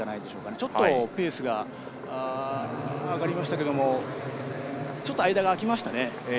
ちょっとペースが上がりましたが間が空きましたね。